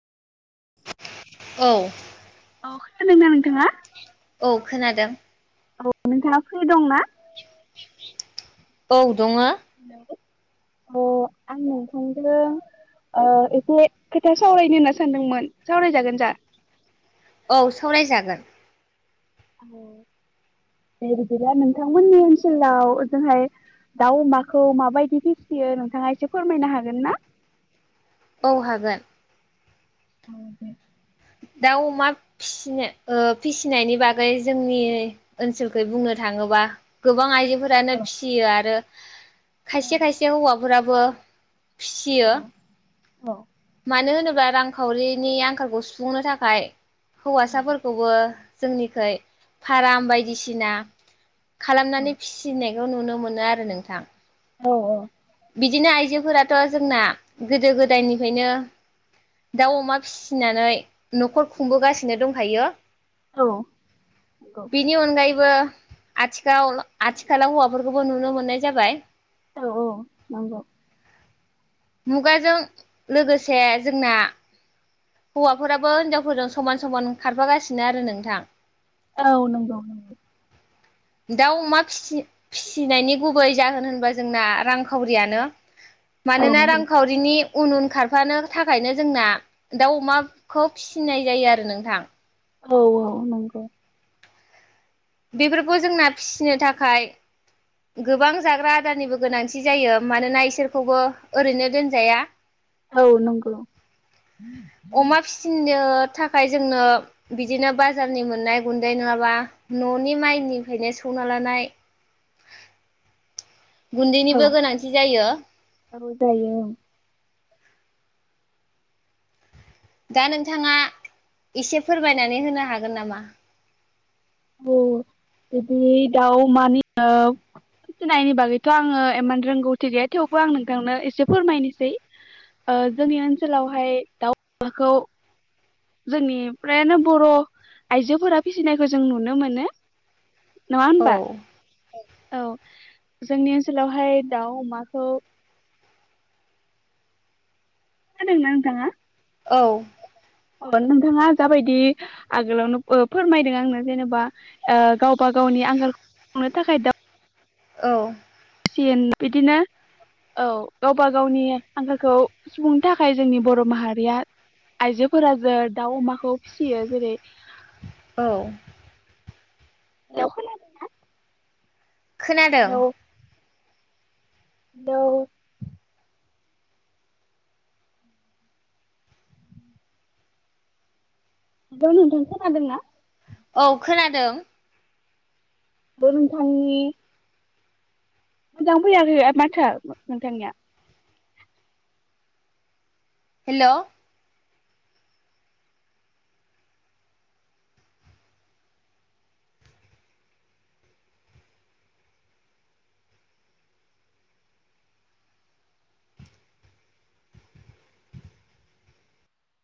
औ औ खोनादोंना नोंथाङा? औ खोनादों औ नोंथाङा फ्रि दं ना? औ दङ। हेलौ अ आं नोंथां जों ओ एसे खोथा सावरायनो होनना सानदोंमोन सावरायजागोन जा? औ सावरायजागोन। [inaudible] औ दे बिदिब्ला नोंथांमोननि ओनसोलाव ओजोंहाय दाउ अमाखौ माबायदि फिसियो नोंथाङा एसे फोरमायनो हागोन ना? औ हागोन। औ दे दाउ अमा फिसिनो ओ फिसिनायनि बागै जोंनि ओनसोलखै बुंनो थाङो [unintelligible] गोबां औ आइजोफोरानो फिसियो आरो खायसे खायसे हौवाफोराबो फिसियो औ मानो होनोब्ला रांखावरिनि आंखालखौ सुफुंनो थाखाय हौवासाफोरखौबो जोंनिखै फाराम बायदिसिना खालामनानै फिसिनाय बेयाव नुनो मोनो आरो नोंथां औ औ बिदिनो आइजोफोराथ' जोंना गोदो गोदायनिफ्रायनो दाउ अमा फिसिनानै न'खर खुंबोगासिनो दंखायो। औ बेनि अनगायैबो आथिखालाव आथिखालाव हौवाफोरखौबो नुनो मोननाय जाबाय। औ औ नंगौ मुगाजों लोगोसे जोंना हौवाफोराबो हिनजावफोरजों समान समान खारफागासिनो आरो नोंथां। औ नंगौ नंगौ दाउ अमा फिसि-फिसिनायनि गुबै जाहोन होनबा जोंना रांखावरियानो औ मानोना नंगौ नंगौ रांखावरिनि उन उन खारफानो थाखायनो जोंना दाउ अमाखौ फिसिनाय जायो आरो नोंथां। औ औ नंगौ। बेफोरखौ जोंना फिसिनो थाखाय गोबां जाग्रा आदारनिबो गोनांथि जायो मानोना इसोरखौबो ओरैनो दोनजाया। औ नंगौ। अमा फिसिनो थाखाय जोंनो बिदिनो बाजारनि मोननाय गुन्दै नङाबा न'नि माइनिफ्रायनो [inaudible] लानाय [inaudible] औ गुन्दैनिबो गोनांथि जायो। औ जायो ओं। दा नोंथाङा इसे फोरमायनानै होनो हागोन नामा? औ बिदि दाउ मानि ओ फिसिनायनि बागैथ' आङो एमान रोंगौथि गैया थेवबो आं नोंथांनो एसे फोरमायनोसै। ओ जोंनि ओनसोलावहाय दाउ अमाखौ जोंनि फ्रायानो बर' आइजोफोरा फिसिनायखौ जों नुनो मोनो। नङा औ होनबा [inaudible] औ जोंनि ओनसोलावहाय दाउ अमाखौ खोनादों ना नोंथाङा? औ अ नोंथाङा जाबायदि आगोलावनो ओ फोरमायदों आंनो जेनेबा ओ गावबा गाव गावनि आंगालखौ सुफुंनो थाखाय दाउ औ [inaudible] बिदिनो औ गावबा गावनि आंखालखौ सुबुंनो थाखाय जोंनि बर' माहारिया आइजोफोरा [unintelligible] दाउ अमाखौ फिसियो जेरै औ। खना खोनादों। हेलौ। हेलौ नोंथां खोनादोंना? औ खोनादों बे नोंथांनि। मोजां फैयाखैया माथोआ नोंथांनिया हेल'